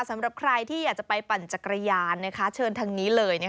สำหรับใครที่อยากจะไปปั่นจักรยานเชิญทางนี้เลย